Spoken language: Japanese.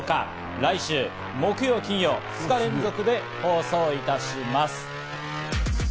来週、木曜・金曜、２日連続で放送いたします。